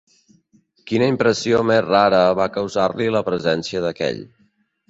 Quina impressió més rara va causar-li la presència d'aquell